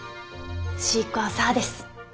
シークワーサーです。